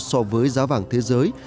so với giá vàng thế giới